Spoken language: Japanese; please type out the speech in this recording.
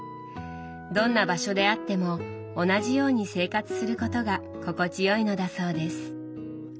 どんな場所であっても同じように生活することが心地よいのだそうです。